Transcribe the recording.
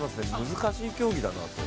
難しい競技だなと。